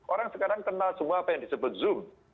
orang sekarang kenal semua apa yang disebut zoom